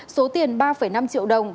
số tiền ba năm triệu đồng